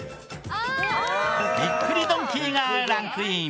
びっくりドンキーがランクイン。